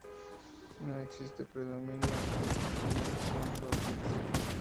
No existe predominio en cuanto al sexo.